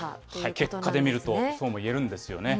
結果で見るとそうも言えるんですよね。